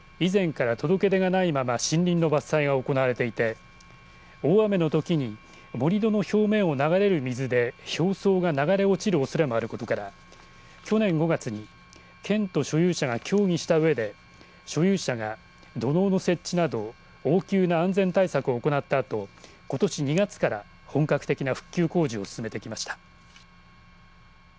この区域では以前から届け出がないまま森林の伐採が行われていて大雨のときに盛り土の表面を流れる水で表層が流れ落ちるおそれもあることから去年５月に県と所有者が協議した上で所有者が土のうの設置など応急な安全対策を行ったあとことし２月から本格的な復旧工事を進めてきました。